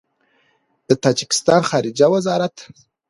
د تاجکستان د خارجه وزارت